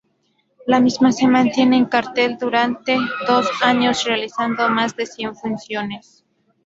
La misma se mantiene en cartel durante dos años realizando más de cien funciones.